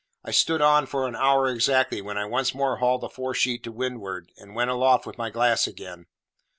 I stood on for an hour exactly, when I once more hauled the fore sheet to windward, and went aloft with my glass again.